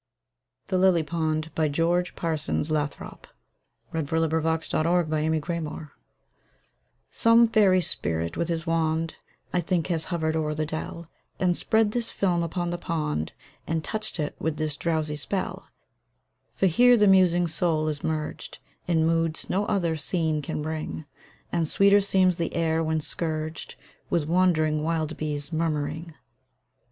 So in life's stir and pride You fade, and leave the treasure of a tear! THE LILY POND. Some fairy spirit with his wand, I think, has hovered o'er the dell, And spread this film upon the pond, And touched it with this drowsy spell. For here the musing soul is merged In moods no other scene can bring, And sweeter seems the air when scourged With wandering wild bees' murmuring.